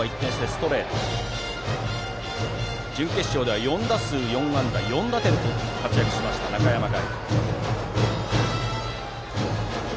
準決勝では４打数４安打４打点と活躍しました、中山凱。